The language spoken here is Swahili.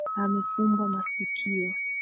Amefumba masikio.